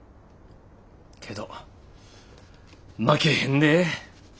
けど負けへんで。